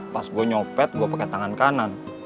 pas gua nyopet gua pake tangan kanan